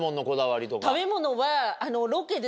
食べ物は。